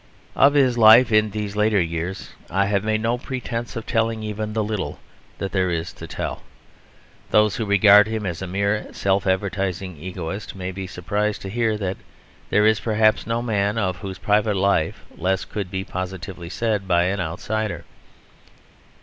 Of his life in these later years I have made no pretence of telling even the little that there is to tell. Those who regard him as a mere self advertising egotist may be surprised to hear that there is perhaps no man of whose private life less could be positively said by an outsider.